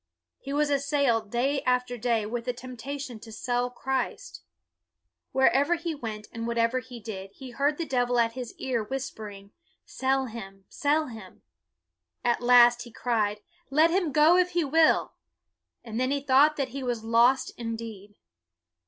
He was assailed day after day with a temptation to sell Christ. Wher a u BUNYAN 263 ever he went, and whatever he did, he heard the devil at his ear whispering, Sell him. Sell him." At last he cried, Let him go if he will"; and then he thought that he was lost indeed.